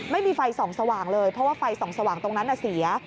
ไม่มีไฟส่องสว่างเลยเพราะว่าไฟส่องสว่างตรงนั้นเสีย